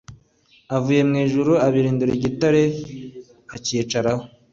avuye mu ijuru, abirindura igitare acyicaraho.